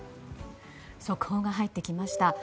速報が入ってきました。